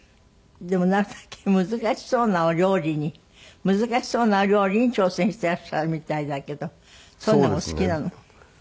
でもなるたけ難しそうなお料理に難しそうなお料理に挑戦していらっしゃるみたいだけどそういうのがお好きなの？